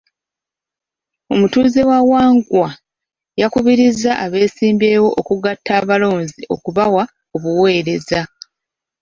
Omutuuze wa Wangkwa yakubiriza abeesimbyewo okugatta abalonzi okubawa obuweereza.